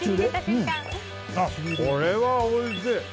これはおいしい！